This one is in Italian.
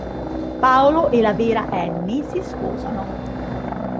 Paolo e la vera Annie si sposano.